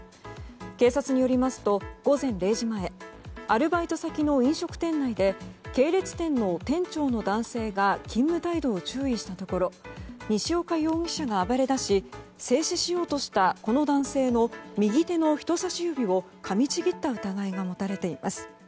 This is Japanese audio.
警察によりますと午前０時前アルバイト先の飲食店内で系列店の店長の男性が勤務態度を注意したところ西岡容疑者が暴れだし制止しようとしたこの男性の右手の人さし指をかみちぎった疑いが持たれています。